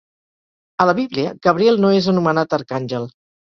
A la Bíblia, Gabriel no és anomenat arcàngel.